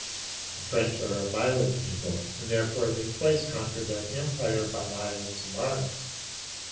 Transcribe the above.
The French are a violent people, and therefore they twice conquered that Empire by violence of arms.